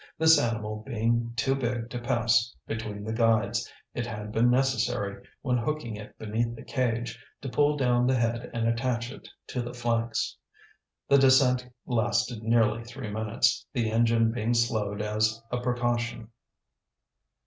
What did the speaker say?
This animal being too big to pass between the guides, it had been necessary, when hooking it beneath the cage, to pull down the head and attach it to the flanks. The descent lasted nearly three minutes, the engine being slowed as a precaution.